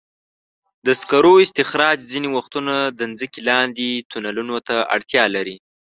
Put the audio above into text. د سکرو استخراج ځینې وختونه د ځمکې لاندې تونلونو ته اړتیا لري.